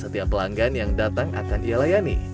dan yang datang akan ia layani